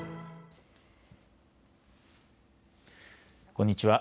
こんにちは。